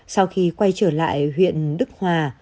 sau khi quay trở lại huyện đức hòa